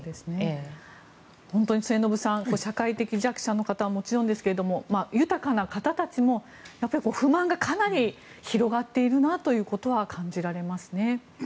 本当に末延さん社会的弱者の方はもちろんですが豊かな方たちも不満がかなり広がっているなということは感じられますね。